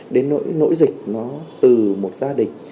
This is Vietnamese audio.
đến nỗi dịch nó từ một gia đình